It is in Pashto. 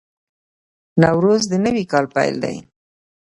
نوروز د نوي کال پیل دی.